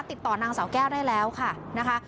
ติดต่อนางสาวแก้วได้แล้วค่ะนะคะ